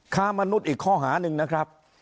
ค้ามนุษย์อีกข้อหาหนึ่งนะครับ